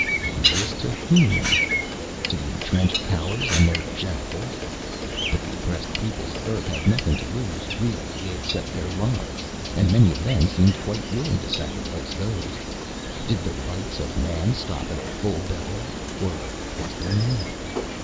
Dangerous to whom? To the entrenched powers and their jackals. But the oppressed peoples of Earth had nothing to lose, really, except their lives, and many of them seemed quite willing to sacrifice those. Did the rights of man stop at a full belly, or was there more?